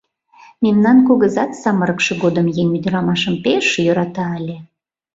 Мемнан кугызат самырыкше годым еҥ ӱдырамашым пеш йӧрата ыле.